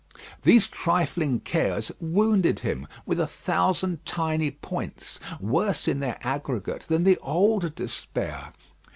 These trifling cares wounded him with a thousand tiny points, worse in their aggregate than the old despair.